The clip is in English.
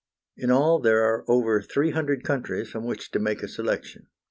In all there are over three hundred countries from which to make a selection.